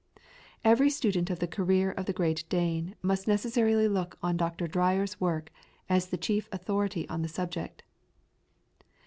Every student of the career of the great Dane must necessarily look on Dr. Dreyer's work as the chief authority on the subject.